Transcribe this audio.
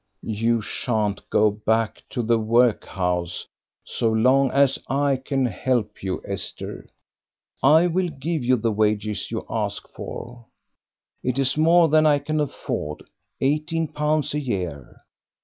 "You shan't go back to the workhouse so long as I can help you. Esther, I'll give you the wages you ask for. It is more than I can afford. Eighteen pounds a year!